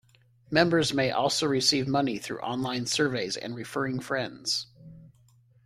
Members may also receive money through online surveys and referring friends.